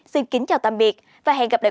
xin kính chào tạm biệt và hẹn gặp lại